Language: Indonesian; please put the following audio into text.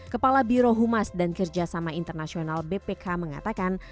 kepala biro humas dan kerjasama internasional bpk mengatakan